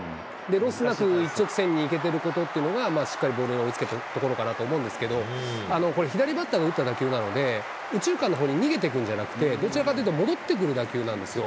ロスなく一直線にいけてることっていうのが、しっかりボールに追いつけてるところかなと思うんですけれども、これ、左バッターが打った打球なので、右中間のほうに逃げていくんじゃなくて、どちらかというと戻ってくる打球なんですよ。